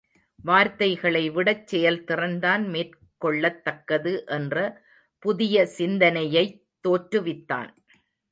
வார்த்தைகளை விடச் செயல் திறன்தான் மேற் கொள்ளத் தக்கது என்ற புதிய சிந்தனை யைத் தோற்றுவித்தான்.